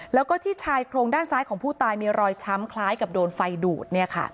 แล้วก็ที่ชายโครงด้านซ้ายของผู้ตายมีรอยช้ำคล้ายกับโดนไฟดูด